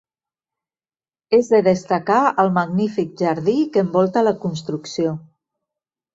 És de destacar el magnífic jardí que envolta la construcció.